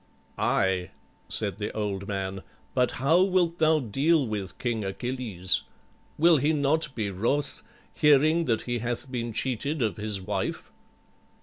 _'" "Aye," said the old man, "but how wilt thou deal with King Achilles? Will he not be wroth, hearing that he hath been cheated of his wife?"